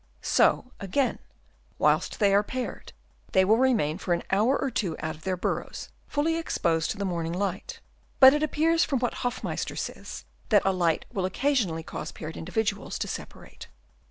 So, again, whilst they are paired, they will remain for an hour or two out of their burrows, fully exposed to the morning light ; but it appears from what Hoffmeister says that a light will occasionally cause paired individuals to separate.